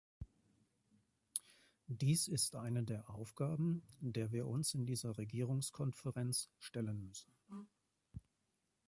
Dies ist eine der Aufgaben, der wir uns in dieser Regierungskonferenz stellen müssen.